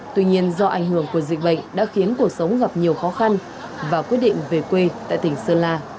tuy nhiên do ảnh hưởng của dịch bệnh đã khiến cuộc sống gặp nhiều khó khăn và quyết định về quê tại tỉnh sơn la